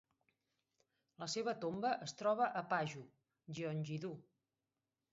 La seva tomba es troba a Paju, Gyeonggi-do.